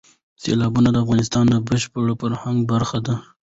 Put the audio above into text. سیلابونه د افغانستان د بشري فرهنګ برخه ده.